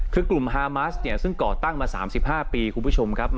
คือกลุ่มฮามัสเนี่ยซึ่งก่อตั้งมา๓๕ปีคุณผู้ชมครับ